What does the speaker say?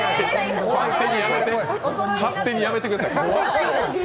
勝手に、やめてください。